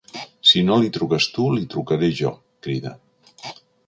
Si no li truques tu li trucaré jo! —crida.